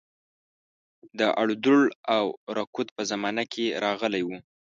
د اړودوړ او رکود په زمانه کې راغلی وو.